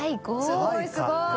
すごいすごい！△